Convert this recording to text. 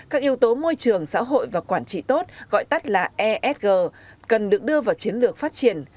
các yếu tố môi trường xã hội và quản trị tốt gọi tắt là esg cần được đưa vào chiến lược phát triển